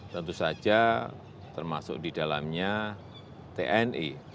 tentu saja termasuk di dalamnya tni